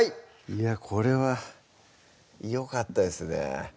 いやこれはよかったですね